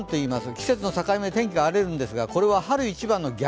季節の境目、天気が荒れるんですがこれは春一番の逆。